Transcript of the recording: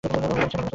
বলতে পারছি না।